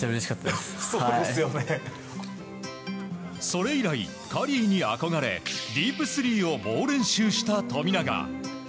それ以来、カリーに憧れディープスリーを猛練習した富永。